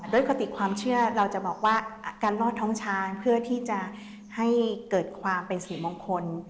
คติความเชื่อเราจะบอกว่าการลอดท้องช้างเพื่อที่จะให้เกิดความเป็นสิริมงคล